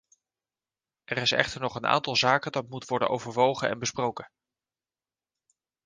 Er is echter nog een aantal zaken dat moet worden overwogen en besproken.